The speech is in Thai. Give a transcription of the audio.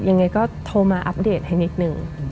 ยังไงก็โทรมาอัปเดตให้นิดนึง